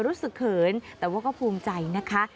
รู้สึกเขินแต่ว่าก็ภูมิใจนะคะ